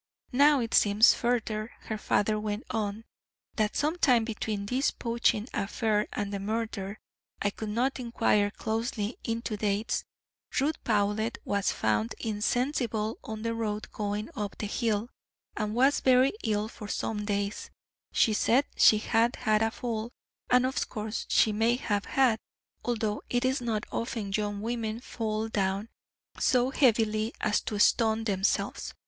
"Now it seems, further," her father went on, "that some time between this poaching affray and the murder I could not inquire closely into dates Ruth Powlett was found insensible on the road going up the hill, and was very ill for some days; she said she had had a fall, and of course she may have had, although it is not often young women fall down so heavily as to stun themselves.